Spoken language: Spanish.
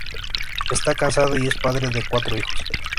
Está casado y es padre de cuatro hijos.